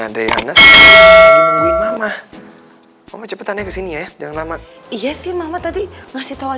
adrian nungguin mama cepetannya kesini ya jangan lama iya sih mama tadi ngasih tahu